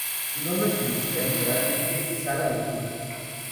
Su nombre significa literalmente "sala del sur".